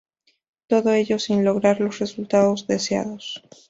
Todo ello sin lograr los resultados deseados.